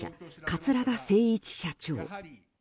桂田精一社長。